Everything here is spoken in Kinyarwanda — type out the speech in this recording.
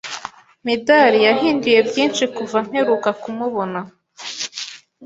Medari yahinduye byinshi kuva mperuka kumubona.